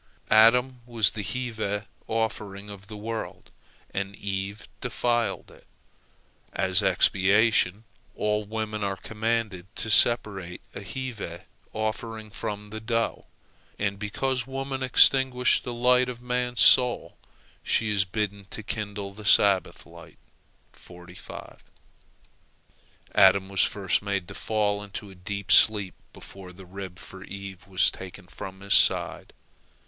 Adam was the heave offering of the world, and Eve defiled it. As expiation, all women are commanded to separate a heave offering from the dough. And because woman extinguished the light of man's soul, she is bidden to kindle the Sabbath light. Adam was first made to fall into a deep sleep before the rib for Eve was taken from his side.